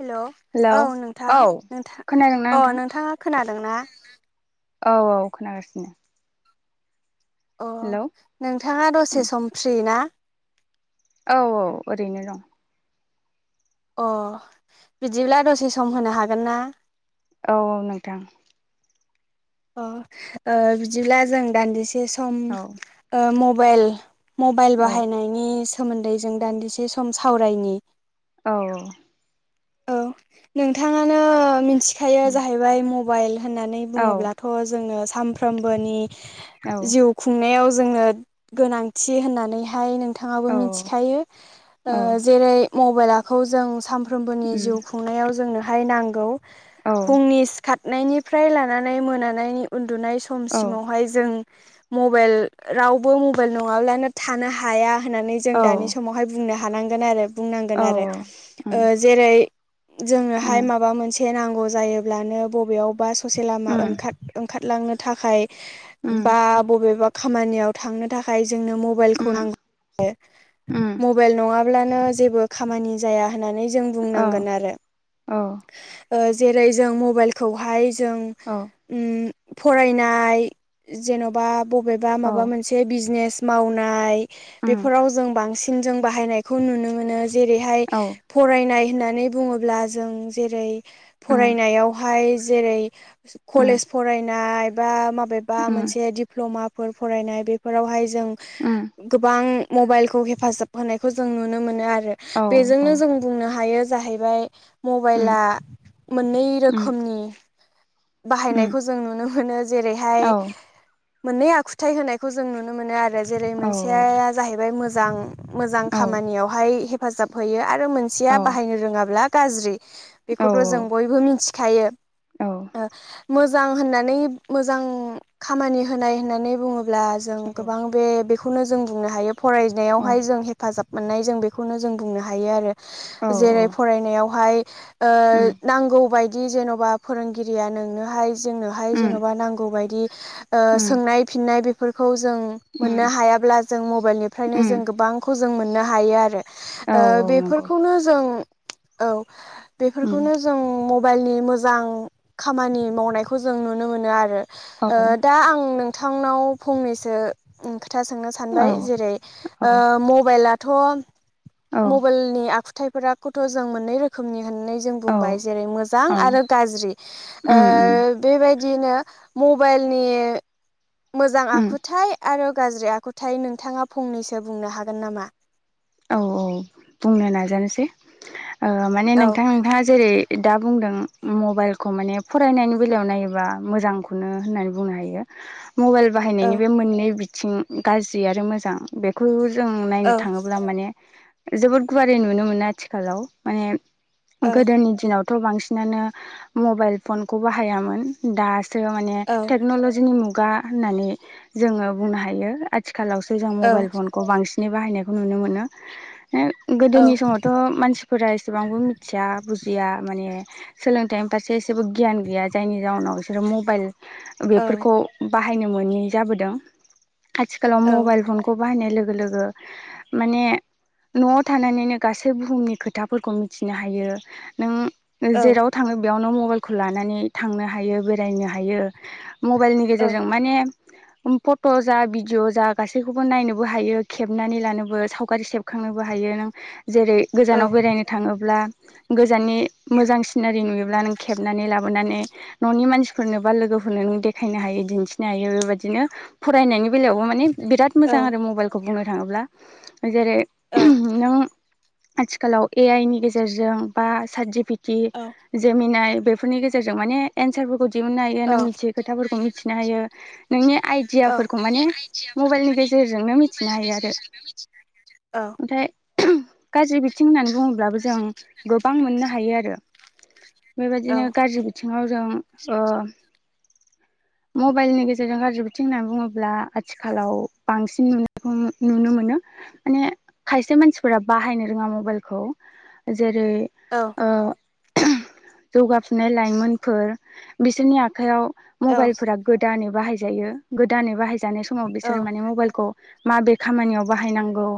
Hello hello औ नोंथां औ नोंथां खोनादोंना औ नोंथां नोंथांङा खोनादों ना? औ औ खोनागासिनो। अ हेलौ नोंथांङा दसे सम फ्रि ना। औ औ ओरैनो दं अ बिदिब्ला दसे सम होनो हागोन ना? औ औ नोंथां। अ बिदिब्ला जों दान्दिसे सम औ मबेइल मबाइल औ बाहायनायनि सोमोन्दै जों दान्दिसे सम सावरायनि औ औ। औ नोंथांङानो मिथिखायो जाहैबाय मबाइल होननानै औ बुंङोब्ला जोंनो सानफ्रबोनि औ जिउ खुंनायाव जोंनो गोनांथि होननानैहाय नों नोंथांङा औ मिथिखायो जेरै मबाइला जों सान नि जिउ खुंनायाव जोंनोहाय नांगौ फुंनि सिखा खारनायनिफ्राय लानानै मोनानायनि उन्दुनाय औ समसिमावहाय जों मबाइल रावबो मबाइल नङाब्लानो थानो हाया होननानै जों औ दानि समावहाय बुंनो हानांगोन आरो बुंनांगोन औ उम आरो जेरै जोंनो उम माबा मोनसे एसे नांगौ जायोब्लानो बबेयावबा ससे लामा उम ओंखार ओंखारलांनो थाखाय बा उम बबेबा खामानियाव थांनो थाखाय जोंनो मबाइलखौ नांगौ। उम उम मबाइल नंङाब्लानो जेबो खामानि जाया होननानै जों औ बुंनांगोन आरो औ जेरै जों मबाइलखौहाय जों औ फरायनाय जेन'बा बबेबा औ माबा मोनसे बिजनेस मावनाय उम बेफोराव जों बांसिन जों बाहायनायखौ नुनो मोनो जेरैहाय औ फरायनाय होननानै बुङोब्ला जों जेरै उम फरायनायावहाय जेरै उम कलेज फरायनाय बा माबा बा उम मोनसे दिप्ल'माफोर फरायनाय बेफोरावहाय जों उम गोबां मबाइलखौ हेफाजाब होनायखौ जों नुनो मोनो आरो औ बेजोंनो औ जों बुंनो हायो जाहैबाय उम मबाइला मोननै उम रोखोमनि उम बाहायनायखौ जों नुनो मोनो जेरैहाय औ मोननै आखुथाय होनायखौ जों नुनो मोनो आरो जेरै औ मोनसेया जाहैबाय मोजां मोजां औ खामानियावहाय हेफाजाब होयो आरो मोनसेया बाहायनो रोङांब्ला गाज्रि औ बेखौथ' जों बयबो मिथिखायो औ मोजां होननानै मोजां खामानि होनाय होननानै बुंङोब्ला अब्ला जों औ गोबां बे बेखौनो जों बुंनो हायो औ फरायनायावहाय जों हेफा हेफाजाब मोननाय जों बेखौनो जों बुंनो हायो आरो जेरै औ फरायनायावहाय उम नांगौ बायदि जेन'बा फोरोंगिरिया नोंनोहाय जोंनोहाय उम जेन'बा नांगौबायायदि उम सोंनाय फिननाय बेफोरखौ जों उम मोननो हायाब्ला जों मबाइलनिफ्रायनो उम जों गोबांखौ जों मोननो हायो आरो औ औ नंगौ बेफोरखौनो जों औ बेफोरखौनो जों म बाइलनि मोजां खामानि मावनायखौ जों नुनो मोनो आरो औ दा आं नोंथांनाव फंनैसो खोथा सोंनो सान औ सानबाय जेरै मबेलयाथ औ मबाइलनि आख थायफोरा गथ' जों मोननै रोखोमनि होननाय जों औ बुंबाय जेरै मोजां अ आरो गाज्रि ओ उम उम बेबायदिनो मबाइलनि मोजां उम आखुथायाइ आरो गाज्रि आखुथाय थाय नोंथांङा फंनैसो बुंनो हागोन नामा औ औ बुंनो नाजानोसै माने औ नोंथां नोंथाङा जेरै दा बुंदों मबाइलखौ माने फरायनायनि बेलायाव नायोबा मोजांखौनो होननानै बुंनो हायो। [inaudible] मबाइल औ बाहायनायनि बे मोननै बिथिं गाज्रि आरो मोजां बेखौ जों नायनो औ थाङोब्ला जबो गुवारै नुनो मोन आथिखालाव औ मानदोनि दिनाव थ' बांसिनानो मबाइल फनखौ बाहायामोन दा माने औ टेक्नलजिनि मुगा होननानै जोङो बुंनो हायो आथिखालावसो जों औ मबाइल फनखौ बांसिनै बाहायनायखौ नुनो मोनो गोदोनि औ समाव थ' मानसिफोरा एसेबांबो मिथिया बुजिया माने सोलोंथाइनि फारसे एसेबो गियान गैया जायनि जााहनाव बिसोरो मबाइल बेफोरखौ बाहायनो मोै जाबोदों आथिखालाव औ मबाइल फनखौ खौ बाहायनाय लोगो लोगो माने न'आव थानानैनो गासै बुहुमनि खोथाफोरखौ मिथिनो हायो नों औ जेराव थाङो बेयावनो मबाइलखौ लानानै थांनो हायो बेरायनो हायो मबाइलनि गेजेरजों माने फट' जा भिडिअ जा गासैखौबो नायनोबो हायो खेबनानै लानोबो सावगारि सेबखांनोबो हायो नों जेरै गोजानाव बेरायनो थाङोब्ला गोजाननि मोजां सिनारि नुयोब्ला नों खेबनानै लाबोनानै न'नि मानसिफोरनो बा लोगोफोरनो नों देखायनो हायो दिन्थिनो हायो बेबायदिनो फरायनायनि बे बेलायावबो माने बिराद मोजां आरो मबाइलखौ बुंनो थाङोब्ला जेरै नों आथिखालाव ए आइ नि गेजेरजों बा सार्टिफिकेट जेमिनाय बेफोरनि गेजेरजों माने एन्सार दिहुननो हायो नों मिथियै खोथाफोरखौ मिथिनो हायो। नोंनि आइडियाफोरखौ माने मबाइलनि गेजेरजोंनो मिथिनो हायो आरो। औ मथाय गाज्रि बिथिं होननानै बुङोब्लाबो जों गोबां मोननो हायो आरो। बेबायदिनो गाज्रि बिथिङाव जों ओ मबाइलनि गेजेरजों गाज्रि बिथिं होननानै बुङोब्ला आथिखालाव बांसिन नुनायखौ नुनो मोनो। माने खायसे मानसिफोरा बाहायनो रोङा मबाइलखौ जेरै औ ओ जौगाफुनाय लाइमोनफोर बिसोरनि आखायाव मबाइलफोरा गोदानै बाहायजायो गोदानै बाहायजानाय समाव बिसोरो माने मबाइलखौ माबे खामानियाव बाहायनांगौ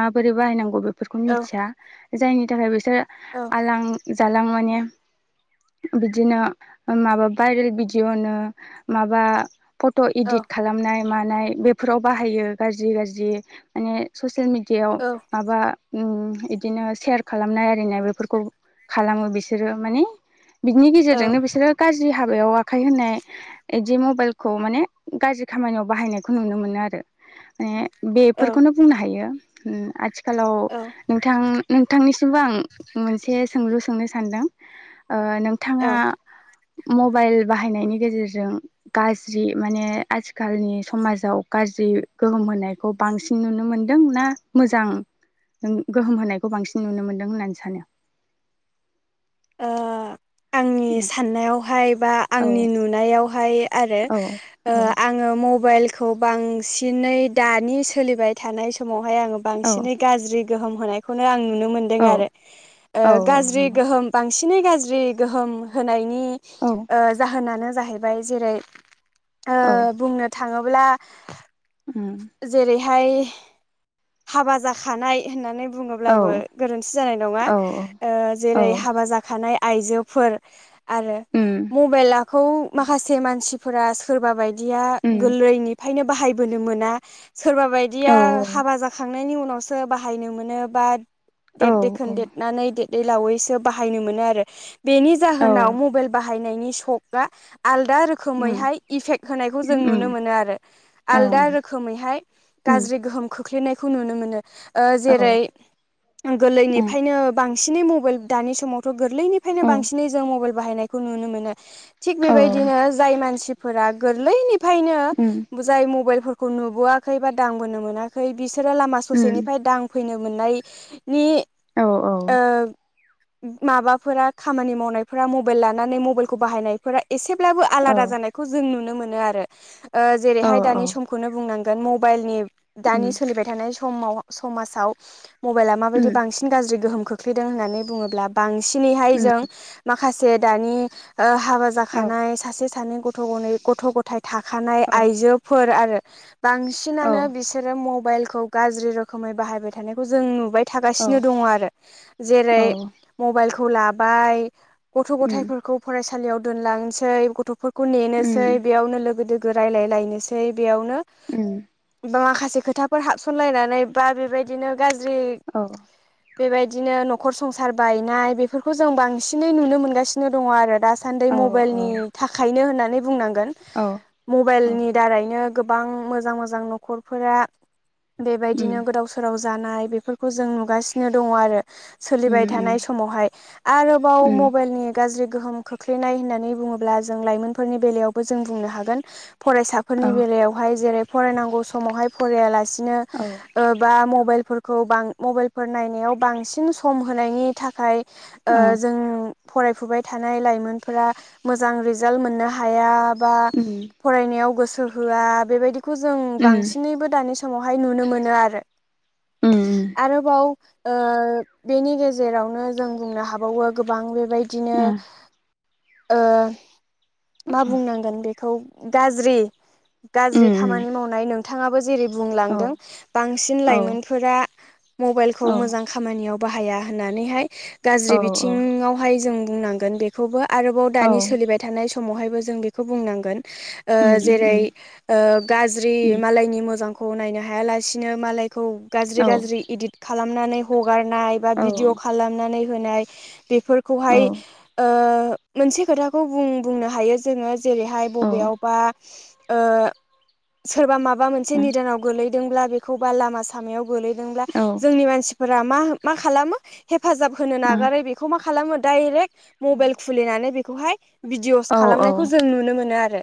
माबोरै बाहायनांगौ? फोरफोरखौ मिथिया जायनि थाखाय बिसोर आलां जालां माने बिदिनो माबा भाइरेल भिडिय' होनो माबा फट' इदिट खालामनाय मानाय बेफोराव बाहायो गाज्रि गाज्रि माने ससियेल मिडियाव औ माबा उम इदिनो सेयार खालामनाय आरिनाय बेफोरखौ खालामो बिसोरो माने बिनि गेजेरजोंनो बिसोरो गाज्रि हाबायाव आखाइ होनाय इदि मबाइलखौ माने गाज्रि खामानियाव बाहायनायखौ नुनो मोनो आरो ओ बे बेफोरखौनो बुंनो हायो उम आथिखालाव नोंथां नोंथांनिसिमबो आं मोनसे सोंलु सोंनो सानदों ओ औ नोंथाङा मबाइल बाहायनायनि गेजेरजों गाज्रि माने आथििखालनि समाजाव गाज्रि गोहोम होनायखौ बांसिन नुनो मोन्दों ना मोजां गोहोम होनायखौ बांसिन नुनो मोन्दों होननानै सानो? ओ आंनि साननायावहाय बा औ आंनि नुनायावहाय आरो नो औ आ आङो मबाइलखौ बांसिनै दानि सोलिबाय थानाय समावहाय आङो औ बांसिनै गाज्रि गोहोम होनायखौनो आं नुनो मोन्दों औ आरो ओ औ गाज्रि नंगौ गोहोम बांसिनै गाज्रि गोहोम होनायनि औ ओ जाहोनानो जाहैबाय जेरै ओ औ बुंनो थाङोब्ला उम जेरैहाय हाबा जाखानाय होननानै बुङो औ अब्लाबो गोरोन्थि जानाय नङा औ ओ औ जेरै हाबा जाखानाय आइजोफोर आरो उम मबाइलाखौ माखासे मानसिफोरा सोरबा बायदिया उम गोरलैनि फायनो बाहायबोनो मोना सोरबा औ बायदिया हाबा जाखां थांनायनि उनावसो बाहायनो मोनो बा औ देर दैैखोन औ देरनानै देरदै लावैसो [unintelligible] बायनो मोनो आरो बेनि औ जाहोनाव मबाइ बाहायनायनि सक आ आलादा रो उम खोमैहाय इफेक्ट होनायखौ जों उम नुनो मोनो आरो। औ आलदा रोखोमैहाय उम गाज्रि गोहोम खोख्लैनायखौ नुनो मोनो। ओ औ जेरै उम गोरलैनिफ्रायनो बांसिनै मबाइल दानि समावथ' गोरलैनि फ्रायनो औ बांसिनै जों मबाइल बाहायनायखौ नुनो मोनो थिग औ बेबायदिनो जाय मानसिफोरा उम गोरलैनिफ्रायनो जाय मबाइलफोरखौ नुबोआखै बा दांबोनो मोनाखै बिसोरो लामा उम ससेनिफ्राय दां फैनो मोननायनि औ ओ माबाफोरा खामानि मावनायफोरा मबेल लानानै मबेलखौ बाहायनायफोरा एसेब्लाबो औ आलादा औ जानाय खौ जों नुनो मोनो आरो ओ जेरैहाय दानि समखौनो बुंनांगोन मबाइलनि दानि उम सोलिबाय थानाय समाव समाजाव मबाइला उम माबायदि बांसि न गाज्रि गोहोम खोख्लैदों होननानै बुङोब्ला बांसिनैहाय जों औ माखा से दानि ओ हाबा औ उम औ उम औ जाखानाय सासे सानै गथ' गनै गथ' ग थाय थाखानाय आइजोफोर आरो बांसिनानो बि सोरो मबाइल खौ गाज्रि रोखोमै बाहायबाय थानायखौ जों नुबाय थागासिनो दङ आरो जेरै मबाइलखौ लाबाय गथ' गथायफोरखौ फरायसालियाव दोनलांनोसै गथ' खौ नेनोसै बेयावनो लोगो दोगो रायलाय लायनोसै बेयावनो उम बा माखासे खोथाफोर हाबसनलायनानै बा बेबायदिनो गाज्रि औ बेबायदिनो नखर संसार बायनाय बेफोरखौ जों बांसिनै नुनो मोनगासिनो दङ आरो दासान्दि मबाइलनि थाखायनो होननानै बुंनांगोन औ मबाइलनि दारैनो गोबां मोजां मोजां नखरफोरा बेबायदिनो गोदाव सो राव जानाय बेफोरखौ जों नुगासिनो दङ आरो सोलिबाय थानाय समावहाय आरोबाव मबेलनि गाज्रि गोहोम खोख्लैनाय होननानै बुङोब्ला जों लाइमोनफोरनि बेलायावबो जों बुंनो हागोन फरायसा फोरनि बेलायावहाय जेरै फरायनांगौ समावहाय फरायलासिनो बा मबाइलफोर खौ बां मबाइलफोर नायनायाव बांसिन सम होनायनि थाखाय जों फरायफुबाय थानाय लाइमोनफोरा मोजां रिजाल्ट मोननो हाया बा उम फरायनायाव गोसो होआ बेबायदिखौ जों उम बांसिनैबो दानि समावहाय नुनो मोनो आरो उम आरोबाव ओ बेनि गेजेरावनो जों बुंनो हाबावो गोबां बेबायदिनो उम मा बुंनांगोन बेखौ गाज्रि उम गाज्रि खामानि मावनाय नोंथाङाबो जेरै औ बुंलांदों बांसिन औ लाइमोनफोरा मबाइलखौ औ मोजां खामानियाव बाहाया होननानैहाय औ गाज्रि औ बिथिङावहाय जों बुंनांगोन बे खौबो आरोबाव औ दानि सोलिबाय थानाय समावहायबो जों बेखौ बुंनांगोन ओ उम उम जेरै ओ गाज्रि उम मालायनि मोजांखौ नायनो हायालासिनो मालायखौ गाज्रि औ गाज्रि इदिट खालामनानै हगारनाय बा औ भिडिअ' खालामनानै होनाय औ बेफोरखौहाय मोनसे खोथाखौ बुं बुंनो हायो जोङो जेरैहाय बबेयावबा ओ सोरबा माबा मोनसे उम निदानाव गोलैदोंब्ला बेखौबा लामा लामायाव गोलैदों ब्ला औ उम जोंनि मानसिफोरा माखालामो हेफाजाब होनो नागारै खौ मा खालामो डाइरेक्ट मबाइल खुलिनानै बेखौहाय भिडिअस औ खालामनायखौ जों नुनो मोनो आरो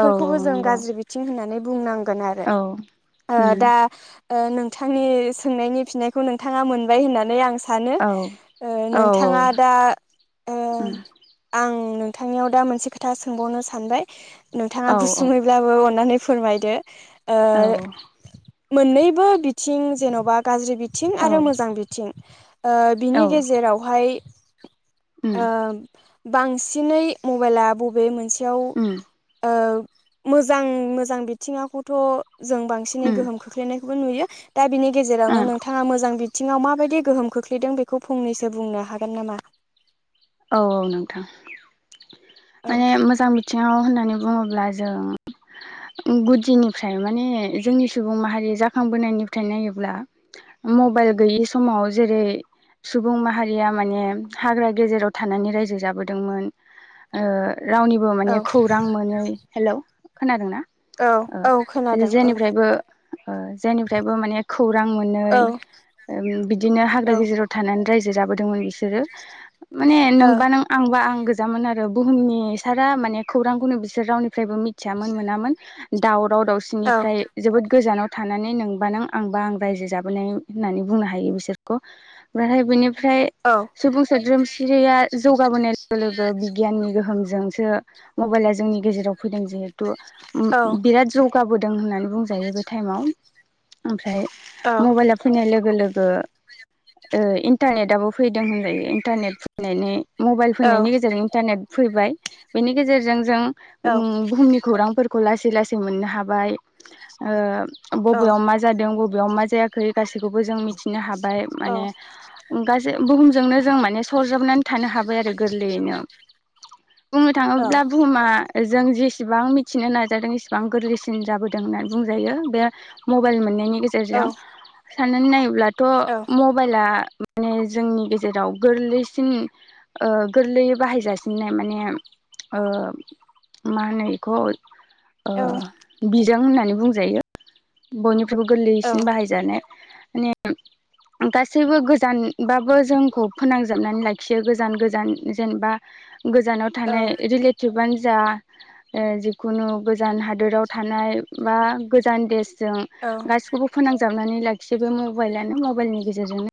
औ जों नंगौ औ उम गाज्रि औ बिथिं होननानै बुंनांगोन आरो औ औ उम दा नोंथांनि सोंनायनि फिनायखौ नोंथाङा मोनबाय होननानै आं सानो सानो औ नोंथाङा दा उम आं नोंथांनियाव दा मोनसे खोथा सोंबावनो सानबाय नोंथाङा गुसुङै ब्लाबो अननानै फोरमायदो औ ओ मोननैबो बिथिं जेन'बा गाज्रि बिथिं औ आरो मोजां बिथिं बिनि औ गेजेरावहाय उम ओ बांसिनै मबाइला बबे मोनसेयाव उम ओ मोजां मोजां बिथिङाखौथ' जों बांसिनै उम गोहोम खोख्लैनायखौबो नुयो दा बिनि औ गेजेरावनो नोंथाङा मोजां बिथिङाव मा माबायदि गोहोम खोख्लैदों बेखौ फंनैसो बुंनो हागोन नामा औ औ नोंथां औ माने मोजां बिथिङाव होननानै बुङोब्ला जों गुदिनिफ्राय माने जोंनि सुबुं माहारि जाखांबोनायनिफ्राय नायोब्ला मबाइल गैयि समाव जेरै सुबुं माहारिया माने हाग्रा गेजेराव थानानै रायजो जाबोदोंमोन रावनिबो माने औ खौरां मोनै हेलौ खोनादों ना औ औ खोनादों औ जेनिफ्रायबो जेनिफ्रायबो माने खौरां मोनै औ बिदिनो हाग्रा औ गेजेराव थानानै रायजो जाबोदोंमोन बिसोर [unintelligible] माने ओ औ नोंबा नों आंबा आं गोजामोन आरो बुहुमनि सारा माने खौरांखौनो बिसोर रावनि फ्रायबो मिथियामोन मोनामोन दावराव औ दावसिनिफ्राय जोबोद गोजानाव थानानै नोंबा नों आंबा आं रायजो जाबोनाय होननानै बुंनो हायो बिसोरखौ ओमफ्राय बेनिफ्राय औ सुबुं सोद्रोम जौगाबोनाय लोगो लोगो बिगियाननि गोहोमजोंसो मबाइला जोंनि गेजेराव फैदों जिहेथु औ बिराद जौगाबोदों होननानै बुंजायो बे टाइमाव ओमफ्राय औ मबाइला फैनाय लोगो लोगो इन्टारनेटाबबो फैदों होनजायो इन्टारनेट फैनानै मबाइल औ फैनायनि गेजेरजों इन्टारनेट फैबाय बेनि गेजेरजों जों बुहुमनि खौरांफोरखौ लासै लासै मोननो हाबाय बबेयाव औ मा जादों बबेयाव मा जायाखै गासैखौबो जों मिथिनो हाबाय माने गासै बुहुमजोंनो जों माने सरजाबनानै थानो हाबाय गोरलैयैनो बुंनो थाङोब्ला बुहुमा जों जेसेबां मिथिनो नाजादों एसेबां गोरलैसिन जाबोदों होननानै बुंजायो बे मबाइल मोननायनि औ गेजेरजों सान्नानै नायोब्लाथ' म औ मबाइला माने जोंनि गेजेराव गोरलै बांसिन गोरलैयै बाहायजासिननाय माने मा होनो बेखौ औ बिजों होननानै बुंजायो बयनिफ्रायबो औ गोरलैसिन बाहायजानाय माने गासैबो गोजानबाबो जोंखौ फोनांजाबनानै लाखियो गोजान गोजान जेनेबा गोजानाव थानाय औ रिलेटिभ जा जिखुनु गोजान हादोराव थानाय बा गोजान देश जों औ गासिखौबो फोनांजाबनानै लाखियो बे मबाइलानो मबाइलनि गेजेरजोंनो